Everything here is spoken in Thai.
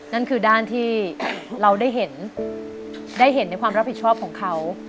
นั่นคือด้านที่เราได้เห็นได้เห็นในความรับผิดชอบของเขา